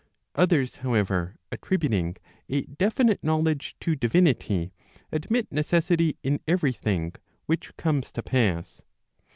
Others, however, attributing a definite knowledge to divinity, admit necessity in every thing which comes to pass.